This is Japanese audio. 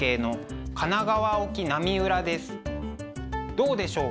どうでしょう？